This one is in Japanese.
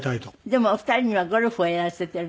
でもお二人にはゴルフをやらせてるんですって？